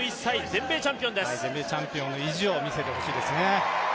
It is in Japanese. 全米チャンピオンの意地を見せてほしいですね。